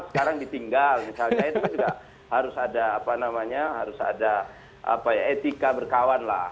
sekarang ditinggal misalnya itu kan juga harus ada apa namanya harus ada etika berkawan lah